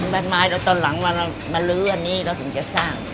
บ้านไม้เราตอนหลังมาลื้ออันนี้เราถึงจะสร้าง